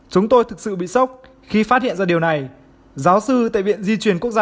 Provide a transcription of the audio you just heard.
chúng tôi thực sự bị sốc khi phát hiện ra điều này giáo sư tại viện di chuyển quốc gia